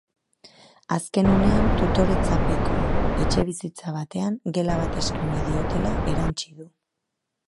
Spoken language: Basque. Azken unean, tutoretzapeko etxebizitza batean gela bat eskaini diotela erantsi du.